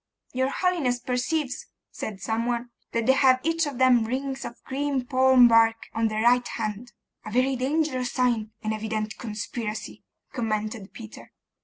'Your holiness perceives,' said some one, 'that they have each of them rings of green palm bark on their right hand.' 'A very dangerous sign! An evident conspiracy!' commented Peter.